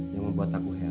yang membuat aku heran